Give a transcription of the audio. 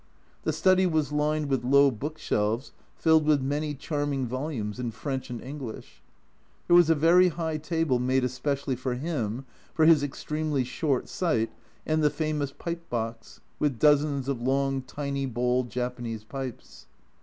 The study was lined with low book shelves filled with many charming volumes in French and English. There was a very high table made specially for him, for his extremely short sight, and the famous pipe box, with dozens of long tiny bowled Japanese pipes.